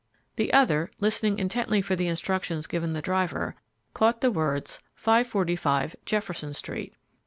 The other, listening intently for the instructions given the driver, caught the words, "545 Jefferson Street."